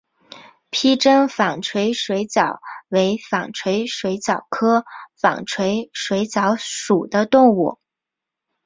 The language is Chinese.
披针纺锤水蚤为纺锤水蚤科纺锤水蚤属的动物。